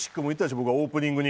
僕がオープニングに。